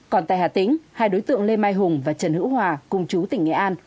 còn tại hà tĩnh hai đối tượng lê mai hùng và trần hữu hòa cùng chú tỉnh nghệ an